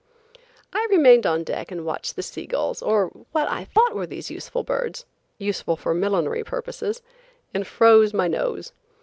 I remained on deck and watched the sea gulls, or what I thought were these useful birds–useful for millinery purposes–and froze my nose.